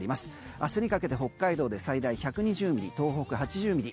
明日にかけて北海道で最大１２０ミリ東北８０ミリ。